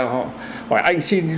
hỏi anh xin